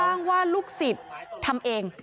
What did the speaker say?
อ้างว่าลูกศิษย์ทำเอง